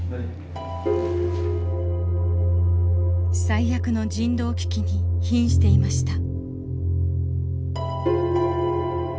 最悪の人道危機にひんしていました。